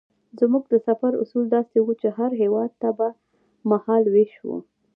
زموږ د سفر اصول داسې وو چې هر هېواد ته به مهال وېش وو.